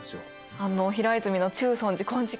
あの平泉の中尊寺金色堂